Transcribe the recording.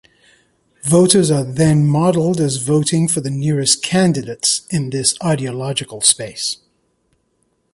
Voters are then modeled as voting for the nearest candidates in this ideological space.